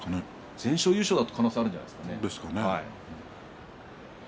全勝優勝なら可能性があるんじゃないですかね？